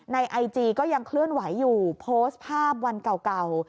ไอจีก็ยังเคลื่อนไหวอยู่โพสต์ภาพวันเก่า